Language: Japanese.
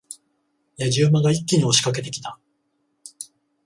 野次馬が一気に押し掛けてきた。